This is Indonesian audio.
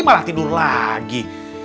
malah tidur lagi